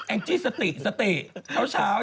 แองจี้สติเช้านี่